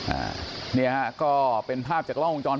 อ่าเนี้ยฮะก็เป็นภาพจากกล้องกระจอน